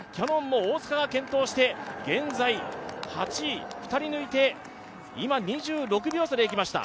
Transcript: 大塚が健闘して現在８位、２人抜いて２６秒差でいきました。